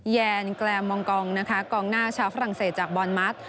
แนนแกลมมองกองนะคะกองหน้าชาวฝรั่งเศสจากบอลมัส